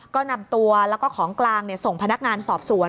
ก็นำตัวแล้วก็ของกลางส่งพนักงานสอบสวน